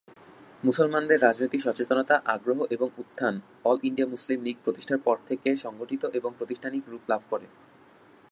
মুসলমানদের রাজনৈতিক সচেতনতা, আগ্রহ এবং উত্থান "অল ইন্ডিয়া মুসলিম লীগ" প্রতিষ্ঠার পর থেকে সংগঠিত এবং প্রাতিষ্ঠানিক রূপ লাভ করে।